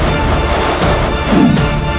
aku akan mencari dia